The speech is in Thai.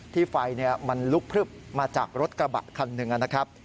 ไฟมันลุกพลึบมาจากรถกระบะคันหนึ่งนะครับ